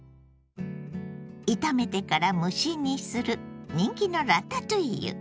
炒めてから蒸し煮する人気のラタトゥイユ。